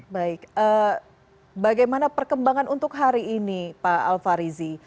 baik bagaimana perkembangan untuk hari ini pak al farizi